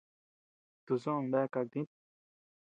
Tusoʼö bea kaka tït.